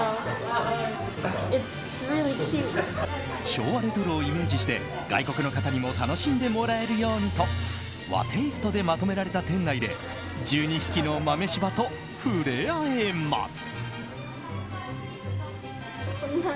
昭和レトロをイメージして外国の方にも楽しんでもらえるようにと和テイストでまとめられた店内で１２匹の豆柴と触れ合えます。